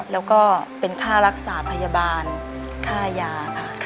แล้วก็เป็นค่ารักษาพยาบาลค่ายาค่ะ